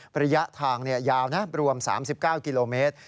ระยะทางยาวนะรวม๓๙กิโลเมตร